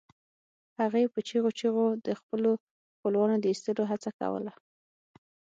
هغې په چیغو چیغو د خپلو خپلوانو د ایستلو هڅه کوله